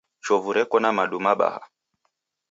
Chovu Reko na madu mabaha.